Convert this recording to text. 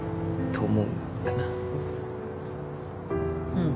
うん。